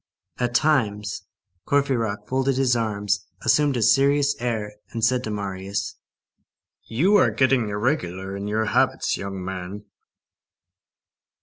At times, Courfeyrac folded his arms, assumed a serious air, and said to Marius:— "You are getting irregular in your habits, young man."